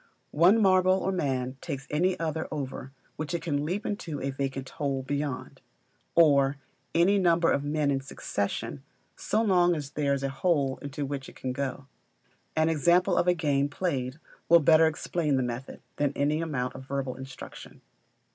One marble or man takes any other over which it can leap into a vacant hole beyond; or any number of men in succession, so long as there is a hole into which it can go. An example of a game played will better explain the method, than any amount of verbal instruction.